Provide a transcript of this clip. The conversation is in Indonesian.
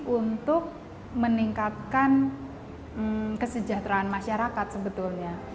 untuk meningkatkan kesejahteraan masyarakat sebetulnya